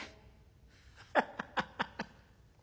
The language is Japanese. ハハハハ。